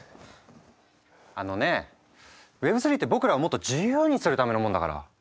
あのねＷｅｂ３って僕らをもっと自由にするためのものだから。